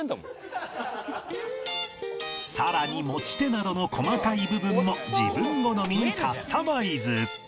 さらに持ち手などの細かい部分も自分好みにカスタマイズ